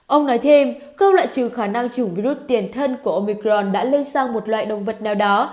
ông nói thêm không loại trừ khả năng chủng virus tiền thân của omicron đã lên sang một loại động vật nào đó